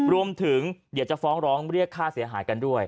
รวมถึงเดี๋ยวจะฟ้องร้องเรียกค่าเสียหายกันด้วย